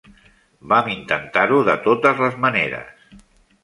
Vam intentar-ho de totes les maneres.